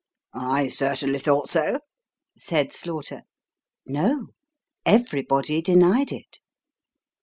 ' I certainly thought so," said Slaughter. No ; everybody denied it.